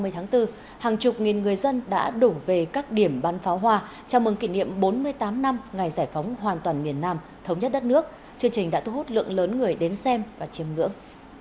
ba mươi tháng bốn hàng chục nghìn người dân đã đổ về các điểm bán pháo hoa chào mừng kỷ niệm bốn mươi tám năm ngày giải phóng hoàn toàn miền nam thống nhất đất nước chương trình đã thu hút lượng lớn người đến xem và chiêm ngưỡng